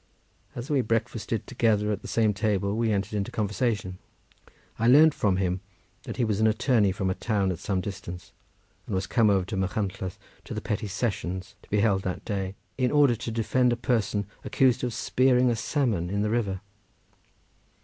As we breakfasted together at the same table, we entered into conversation. I learned from him that he was an attorney from a town at some distance, and was come over to Machynlleth to the petty sessions, to be held that day, in order to defend a person accused of spearing a salmon in the river.